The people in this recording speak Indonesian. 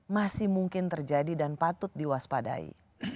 masih mungkin terjadi dan patut diwaspadai